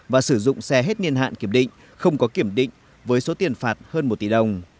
và sử dụng xe hết niên hạn kiểm định không có kiểm định với số tiền phạt hơn một tỷ đồng